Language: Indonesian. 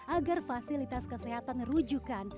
agar fasilitas kesehatan rujukan